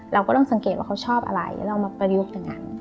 เราก็ต้องสังเกตว่าเขาชอบอะไรแล้วเรามาประยุกต์อย่างนั้น